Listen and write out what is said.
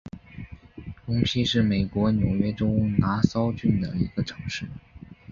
谷溪是美国纽约州拿骚郡的一个城市。